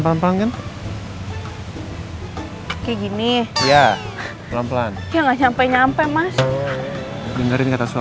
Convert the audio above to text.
pelan pelan kan kayak gini ya pelan pelan sontopar nyampe nyampe mas biru biru mas